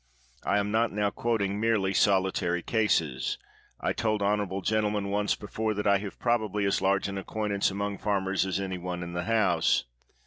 I am not now quoting merely solitary cases. I told honorable gentlemen once before that I have probably as large an acquaintance among farmers as any one in the House.